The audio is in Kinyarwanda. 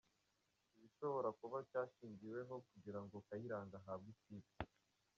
Ibishobora kuba cyashingiweho kugira ngo Kayiranga ahabwe ikipe:.